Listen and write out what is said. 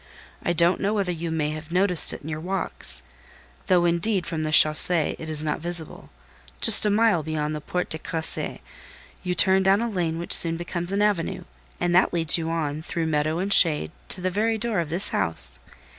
"I don't know whether you may have noticed it in your walks: though, indeed, from the chaussée it is not visible; just a mile beyond the Porte de Crécy, you turn down a lane which soon becomes an avenue, and that leads you on, through meadow and shade, to the very door of this house.